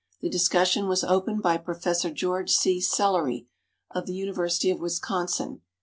The discussion was opened by Professor George C. Sellery, of the University of Wisconsin.